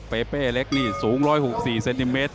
เปเป้เล็กนี่สูง๑๖๔เซนติเมตร